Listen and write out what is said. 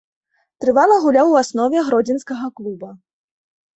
Трывала гуляў у аснове гродзенскага клуба.